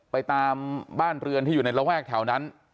ตามบ้านเรือนที่อยู่ในระแวกแถวนั้น